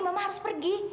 mama harus pergi